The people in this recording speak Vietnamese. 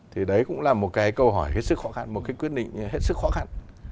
thì đấy cũng là một cái câu hỏi hết sức khó khăn một cái quyết định hết sức khó khăn